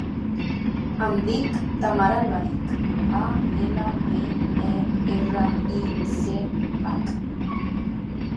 Em dic Tamara Alberich: a, ela, be, e, erra, i, ce, hac.